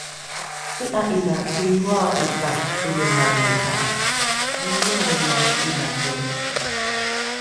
ti’a ’ina kilrihoa’eta toloraeni ’a nioaemao ’ilape?